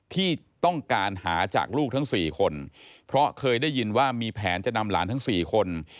ที่ต้องการหาจากลูกทั้ง๔คนเพราะเคยได้ยินว่ามีแผนจะนำหลานทั้ง๔คน